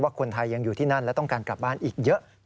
คนไทยยังอยู่ที่นั่นและต้องการกลับบ้านอีกเยอะ